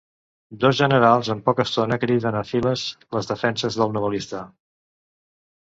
Dos generals en poca estona criden a files les defenses del novel·lista.